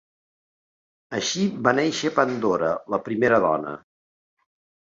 Així va néixer Pandora, la primera dona.